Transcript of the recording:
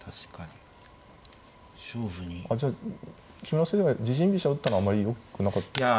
じゃあ木村先生は自陣飛車打ったのはあんまりよくなかったんですか。